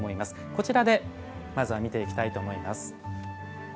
こちらでまずは見ていきたいと思います。